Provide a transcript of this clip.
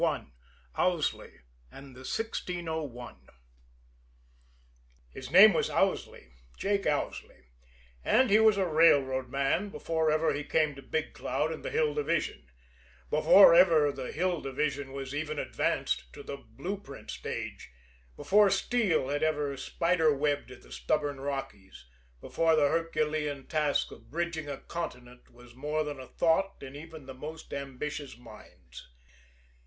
II OWSLEY AND THE 1601 His name was Owsley Jake Owsley and he was a railroad man before ever he came to Big Cloud and the Hill Division before ever the Hill Division was even advanced to the blue print stage, before steel had ever spider webbed the stubborn Rockies, before the Herculean task of bridging a continent was more than a thought in even the most ambitious minds.